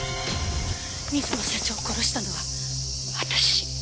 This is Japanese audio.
水野社長を殺したのは私。